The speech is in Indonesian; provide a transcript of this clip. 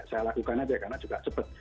saya lakukan aja karena juga cepet